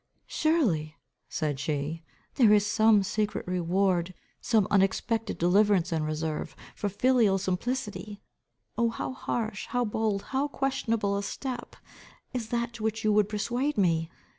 "Surely," said she, "there is some secret reward, some unexpected deliverance in reserve, for filial simplicity. Oh, how harsh, how bold, how questionable a step, is that to which you would persuade me!